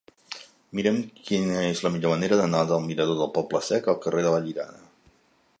Mira'm quina és la millor manera d'anar del mirador del Poble Sec al carrer de Vallirana.